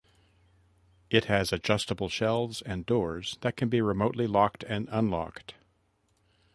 It has adjustable shelves and doors that can be remotely locked and unlocked.